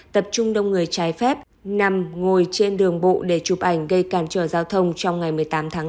tập trung đông người trái phép nằm ngồi trên đường bộ để chụp ảnh gây cản trở giao thông trong ngày một mươi tám tháng bốn